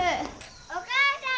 お母さん！